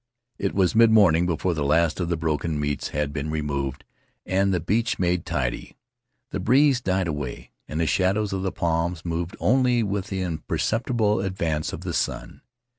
It was midmorning before the last of the broken meats had been removed and the beach made tidy. The breeze died away, and the shadows of the palms moved only with the imperceptible advance of the sun.